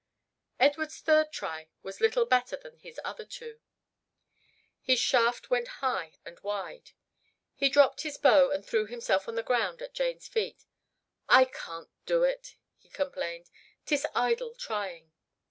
Edward's third try was little better than his other two. His shaft went high and wide. He dropped his bow and threw himself on the ground at Jane's feet. "I can't do it," he complained. "'Tis idle trying.